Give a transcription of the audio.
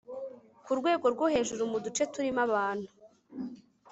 ku rwego rwo hejuru mu duce turimo abantu